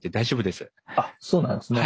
あっそうなんですね。